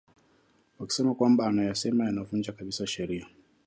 wakisema kwamba anayosema yanavunja kabisa sheria